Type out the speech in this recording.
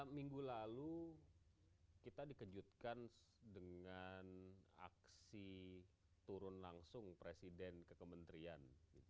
minggu lalu kita dikejutkan dengan aksi turun langsung presiden ke kementerian